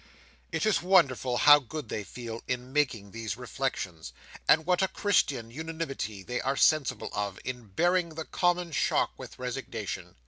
It is wonderful how good they feel, in making these reflections; and what a Christian unanimity they are sensible of, in bearing the common shock with resignation.